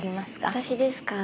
私ですか？